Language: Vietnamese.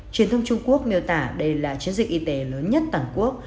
truyền thông trung quốc miêu tả đây là chiến dịch y tế lớn nhất toàn quốc